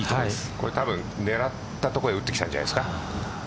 これ狙ったところに打ってきたんじゃないですか。